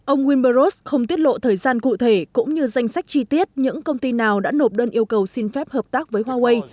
ông winbur ross không tiết lộ thời gian cụ thể cũng như danh sách chi tiết những công ty nào đã nộp đơn yêu cầu xin phép hợp tác với huawei